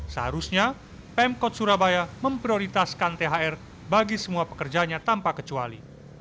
seharusnya pemkot surabaya memprioritaskan thr bagi semua pekerjanya tanpa kecuali